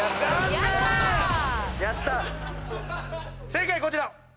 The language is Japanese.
正解こちら。